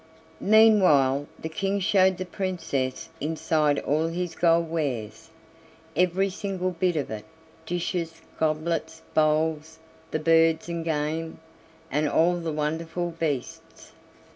Meanwhile the King showed the Princess inside all his gold wares, every single bit of it dishes, goblets, bowls, the birds and game, and all the wonderful beasts.